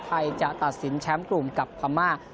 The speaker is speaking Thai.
ไทยจะตัดสินแชมป์กลุ่มกับพม่า